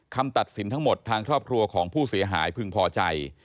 คำตัดสินทั้งหมดทางครอบครัวของผู้เสียหายพึงพอใจ